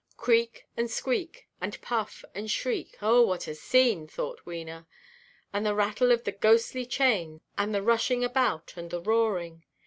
Creak, and squeak, and puff, and shriek,—Oh, what a scene, thought Wena,—and the rattle of the ghostly chains, and the rushing about, and the roaring.